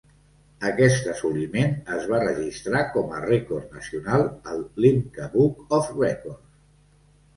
Aquest assoliment es va registrar com a rècord nacional al Limca Book of Records.